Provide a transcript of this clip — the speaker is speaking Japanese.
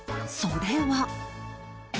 それは